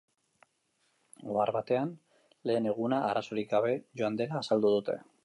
Ohar batean, lehen eguna arazorik gabe joan dela azaldu dute.